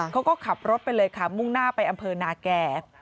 เขาก็ขับรถไปเลยค่ะมุ่งหน้าไปอำเภอนาแก่